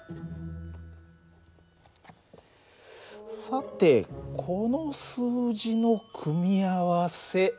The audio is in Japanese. さてこの数字の組み合わせ